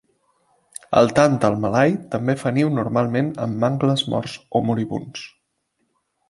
El tàntal malai també fa niu normalment en mangles morts o moribunds.